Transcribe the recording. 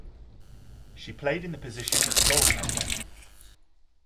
She played in the position of goaltender.